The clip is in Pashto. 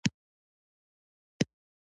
سلجوقیان د ترکمنانو له توکم څخه شمیرل کیږي.